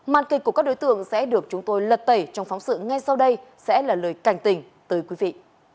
màn kịch của các đối tượng sẽ được chúng tôi lật tẩy trong phóng sự ngay sau đây sẽ là lời cảnh tình tới quý vị